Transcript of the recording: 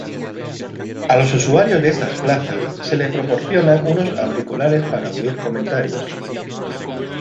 A los usuarios de estas plazas se les proporcionan unos auriculares para oír comentarios.